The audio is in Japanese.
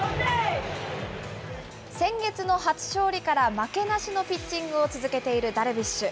先月の初勝利から、負けなしのピッチングを続けているダルビッシュ。